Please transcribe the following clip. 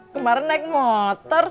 kemaren naik motor